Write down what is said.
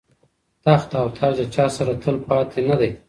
تخت او تاج د چا سره تل پاتې نه دی.